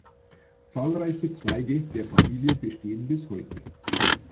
Zahlreiche Zweige der Familie bestehen bis heute.